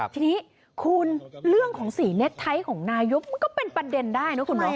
ทีนี้คุณเรื่องของสีเน็ตไทยของนายกมันก็เป็นประเด็นได้นะคุณเนาะ